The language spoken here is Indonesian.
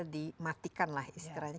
di matikan lah istilahnya